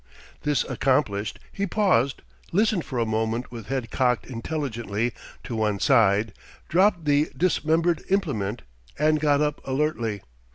This accomplished, he paused, listened for a moment with head cocked intelligently to one side, dropped the dismembered implement, and got up alertly.